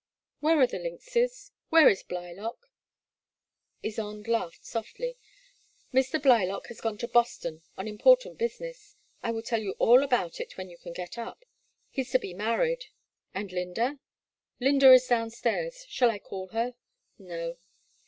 Where are the lynxes? Where is Blylock ?'' Ysonde laughed softly. '* Mr. Blylock has gone to Boston on important business. I will tell you all about it when you can get up. He 's to be married.*' AndI.ynda?*' lyynda is downstairs. Shall I call her ?*' No.''